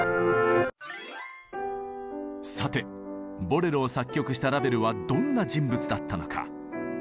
さて「ボレロ」を作曲したラヴェルはどんな人物だったのか。